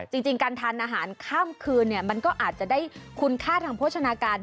จริงการทานอาหารข้ามคืนมันก็อาจจะได้คุณค่าทางโภชนาการ